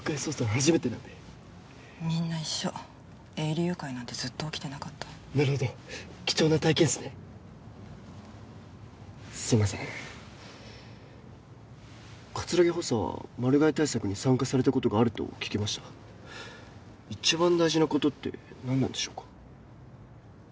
初めてなんでみんな一緒営利誘拐なんてずっと起きてなかったなるほど貴重な体験っすねすいません葛城補佐はマル害対策に参加されたことがあると聞きました一番大事なことって何なんでしょうか？